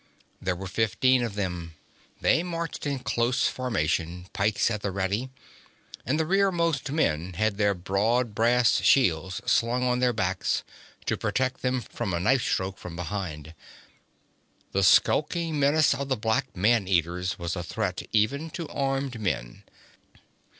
There were fifteen of them; they marched in close formation, pikes at the ready, and the rearmost men had their broad brass shields slung on their backs, to protect them from a knife stroke from behind. The skulking menace of the black man eaters was a threat even to armed men.